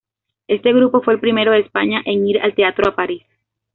Este grupo fue el primero de España en ir al teatro a París.